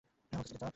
আমার কাছ থেকে যাও।